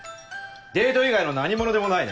デート以外の何物でもないね。